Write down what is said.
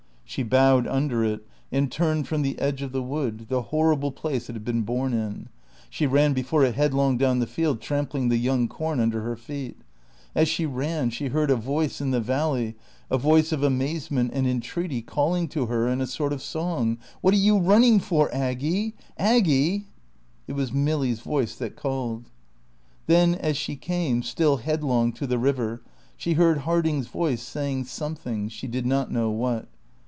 She bowed under it, and turned from the edge of the wood, the horrible place it had been born in; she ran before it headlong down the field, trampling the young corn under her feet. As she ran she heard a voice in the valley, a voice of amazement and entreaty, calling to her in a sort of song. "What are you running for Aggy Aggy?" It was Milly's voice that called. Then as she came, still headlong, to the river, she heard Harding's voice saying something, she did not know what.